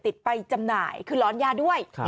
ไปจำหน่ายคือร้อนยาด้วย